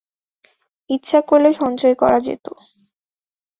ইচ্ছা করলে সঞ্চয় করা যেত।